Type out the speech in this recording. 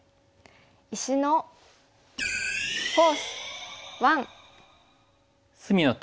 「石のフォース１」。